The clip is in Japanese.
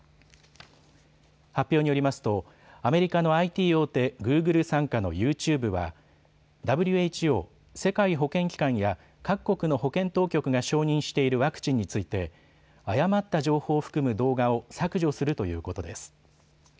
発表によりますとアメリカのＩＴ大手、グーグル傘下のユーチューブはＷＨＯ・世界保健機関や各国の保健当局が承認しているワクチンについて誤った情報を含む動画を削除するということです。